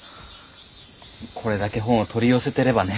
これだけ本を取り寄せてればね。